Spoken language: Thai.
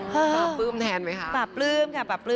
ป่าปลื้มแทนไหมคะป่าปลื้มค่ะป่าปลื